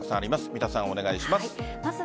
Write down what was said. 三田さん、お願いします。